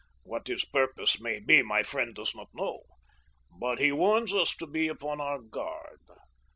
What his purpose may be my friend does not know, but he warns us to be upon our guard.